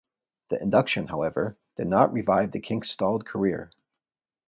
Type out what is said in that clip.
The induction, however, did not revive the Kinks' stalled career.